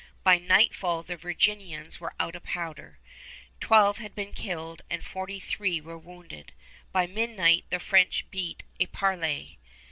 By nightfall the Virginians were out of powder. Twelve had been killed and forty three were wounded. Before midnight the French beat a parley.